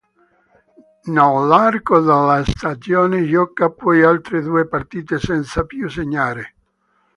Nell'arco della stagione gioca poi altre due partite senza più segnare.